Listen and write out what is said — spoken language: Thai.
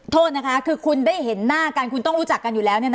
โทษนะคะคือคุณได้เห็นหน้ากันคุณต้องรู้จักกันอยู่แล้ว